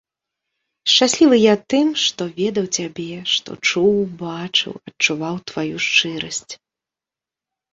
Шчаслівы я тым, што ведаў цябе, што чуў, бачыў, адчуваў тваю шчырасць.